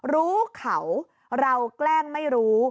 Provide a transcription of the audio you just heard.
รู้เขาเราแกล้งไม่รู้